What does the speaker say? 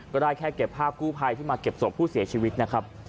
ก็ได้แค่เก็บภาพกู้ภัยที่มาเก็บศพผู้เสียชีวิตนะครับ